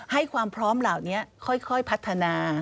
ให้ความพร้อมเหล่านี้ค่อยพัฒนา